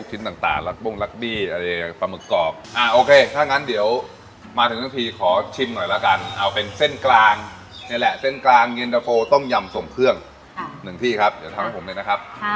เป็นอะไรอีกปลาทอดเนี่ยเป็นภาพภาษาจีนเขาจะเรียกหูก